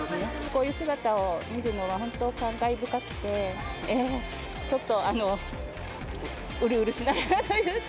こういう姿を見るのは、本当、感慨深くて、ちょっと、うるうるしながら見る。